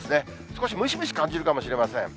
少しムシムシ感じるかもしれません。